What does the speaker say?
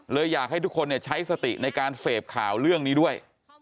อยากให้ทุกคนใช้สติในการเสพข่าวเรื่องนี้ด้วย